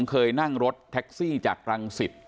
เคยนั่งรถแท็กซี่จากหลังศิษย์